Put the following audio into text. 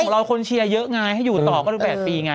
เราคนเชียร์เยอะไงให้อยู่ต่อก็ดู๘ปีไง